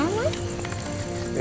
ini udah mas